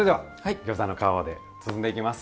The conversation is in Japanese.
ギョーザの皮で包んでいきます。